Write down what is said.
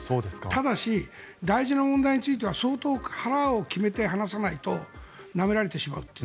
ただし、大事な問題については相当腹を決めて話さないとなめられてしまうと。